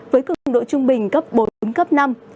với cứng độ trung bình cấp bốn cấp năm